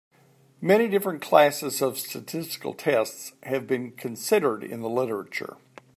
Many different classes of statistical tests have been considered in the literature.